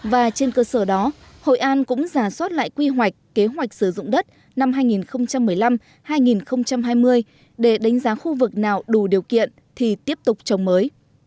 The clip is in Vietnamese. và trên cơ sở đó hội an cũng giả soát lại quy hoạch kế hoạch sử dụng đất năm hai nghìn một mươi năm hai nghìn hai mươi để đánh giá khu vực nào đủ điều kiện thì tiếp tục trồng mới